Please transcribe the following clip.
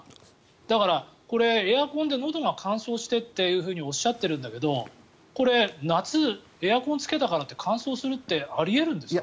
だからエアコンでのどが乾燥してっておっしゃってるんだけどこれ、夏エアコンをつけたからといって乾燥するってあり得るんですか？